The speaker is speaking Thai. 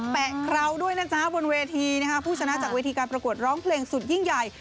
แปะเคราวด้วยนะจ๊ะบนเวทีนะคะผู้ชนะจากเวทีการประกวดร้องเพลงสุดยิ่งใหญ่